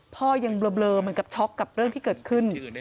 พ่อยังเบลอเหมือนกับช็อกกับเรื่องที่เกิดขึ้น